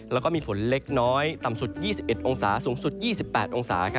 แล้วก็มีฝนเล็กน้อยต่ำสุด๒๑องศาสูงสุด๒๘องศา